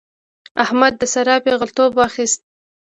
احمد د سارا پېغلتوب واخيست.